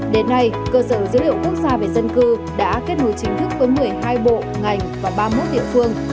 đến nay cơ sở dữ liệu quốc gia về dân cư đã kết nối chính thức với một mươi hai bộ ngành và ba mươi một địa phương